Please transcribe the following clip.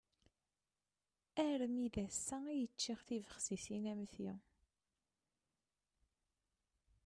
Armi d ass-a, i yeččiɣ tibexsisin am ti.